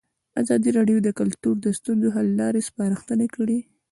ازادي راډیو د کلتور د ستونزو حل لارې سپارښتنې کړي.